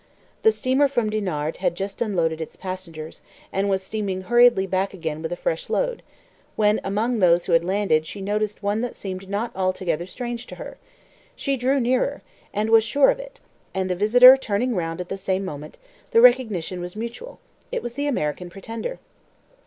The steamer from Dinard had just unloaded its passengers, and was steaming hurriedly back again with a fresh load, when among those who had landed she noticed one that seemed not altogether strange to her. She drew nearer, and was sure of it, and the visitor turning round at the same moment, the recognition was mutual. It was the "American Pretender."